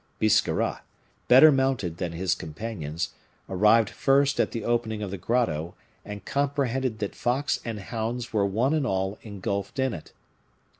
Biscarrat, better mounted than his companions, arrived first at the opening of the grotto, and comprehended that fox and hounds were one and all engulfed in it.